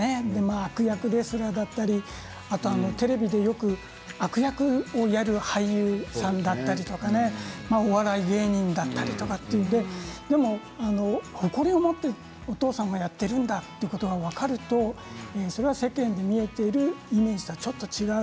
悪役レスラーだったりテレビでよく悪役をやる俳優さんだったりお笑い芸人だったりでも誇りを持ってお父さんはやっているんだということが分かるとそれが世間で見えているイメージとちょっと違う。